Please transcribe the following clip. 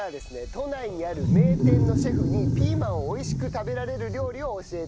都内にある名店のシェフにピーマンを美味しく食べられる料理を教えて頂きます。